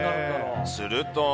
すると。